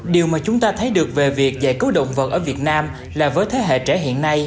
điều mà chúng ta thấy được về việc giải cứu động vật ở việt nam là với thế hệ trẻ hiện nay